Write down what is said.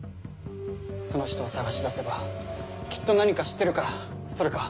その人を捜し出せばきっと何か知ってるかそれか。